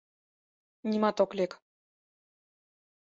Нимат ок лек.